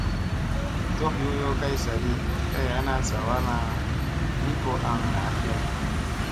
Tof yoyoo kay saaɗi kay ana zawaar na ni ko aŋ naa lay.